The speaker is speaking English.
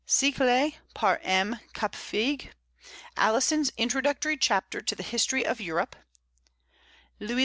Siècle, par M. Capefigue; Alison's introductory chapter to the History of Europe; Louis XV.